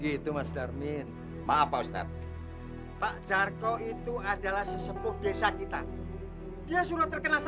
ibu jangan imbat di sumur ini